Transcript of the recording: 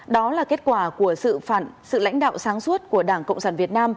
đó là kết quả của sự lãnh đạo sáng suốt của đảng cộng sản việt nam